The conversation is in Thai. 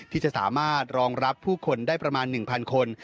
ที่จะสามารถรองรับผู้คนได้ประมาณ๑๐๐คน